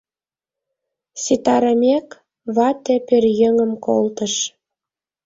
Ситарымек, вате пӧръеҥым колтыш.